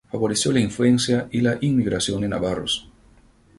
Favoreció la influencia y la inmigración de navarros.